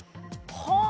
はあ！